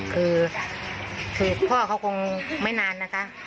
คือคือพ่อเขาคงไม่นานนะคะ